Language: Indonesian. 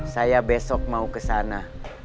saya besok mau kesana